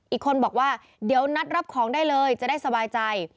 อีกคนบอกว่าเดี๋ยวนัดรับของได้เลยจะได้สบายใจ